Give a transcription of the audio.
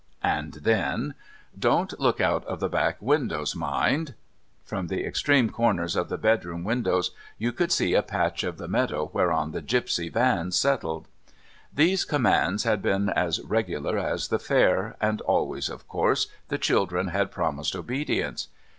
And then: "Don't look out of the back windows, mind." (From the extreme corners of the bedroom windows you could see a patch of the meadow whereon the gipsy vans settled.) These commands had been as regular as the Fair, and always, of course, the children had promised obedience.